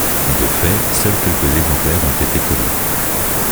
De fait, seuls quelques exemplaires ont été produits.